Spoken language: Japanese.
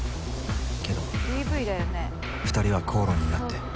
けど２人は口論になって。